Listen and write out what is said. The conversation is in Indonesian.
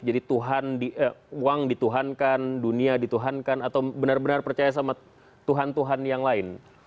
jadi uang dituhankan dunia dituhankan atau benar benar percaya sama tuhan tuhan yang lain